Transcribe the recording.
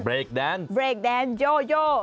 เบรกแดนส์โยโย